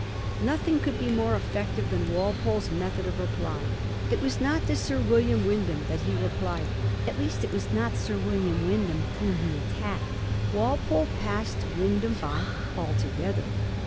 Nothing could be more effective thun Walpole's method of reply. It was not to Sir Will iam Wyndham that he replied ; at least it was not Sir William Wyndham whom he attacked. Walpole passed Wyndham by altogether.